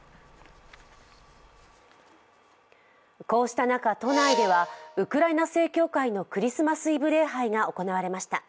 こうした中、都内ではウクライナ正教会のクリスマスイブ礼拝が行われました。